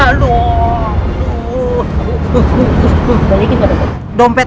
balikin ke dompet